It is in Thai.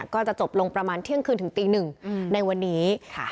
ก็จะจบลงประมาณเที่ยงคืนถึงตีหนึ่งในวันนี้